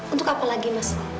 untuk apa lagi mas